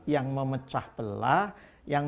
yang memecah belah yang